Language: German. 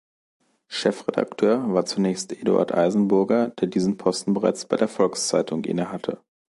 Chefredakteur war zunächst Eduard Eisenburger, der diesen Posten bereits bei der „Volkszeitung“ innehatte.